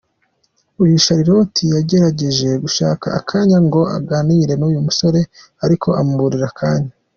Uyu Charlotte yagerageje gushaka akanya ngo aganire n’uyu musore ariko amuburira akanya.